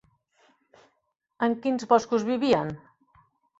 En quins boscos vivien?